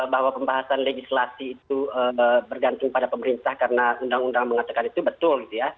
bahwa pembahasan legislasi itu bergantung pada pemerintah karena undang undang mengatakan itu betul gitu ya